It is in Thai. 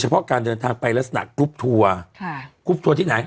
เพราะการเดินทางไปลักษณะกรุ๊ปทัวร์ค่ะกรุ๊ปทัวร์ที่ไหน